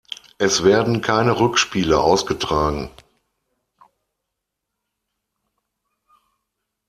Es werden keine Rückspiele ausgetragen.